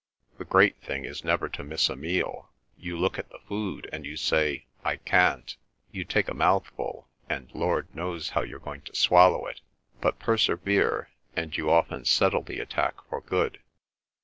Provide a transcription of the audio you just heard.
The great thing is never to miss a meal. You look at the food, and you say, 'I can't'; you take a mouthful, and Lord knows how you're going to swallow it; but persevere, and you often settle the attack for good.